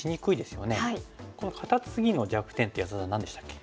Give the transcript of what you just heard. このカタツギの弱点って安田さん何でしたっけ？